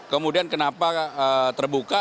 kemudian kenapa terbuka